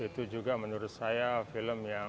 itu juga menurut saya film yang